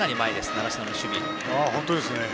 習志野の守備。